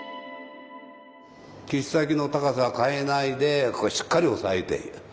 切っ先の高さは変えないでここしっかり押さえている。